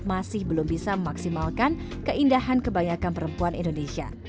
masih belum bisa memaksimalkan keindahan kebanyakan perempuan indonesia